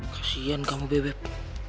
kasian kamu beb